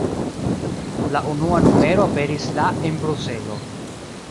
La unua numero aperis la en Bruselo.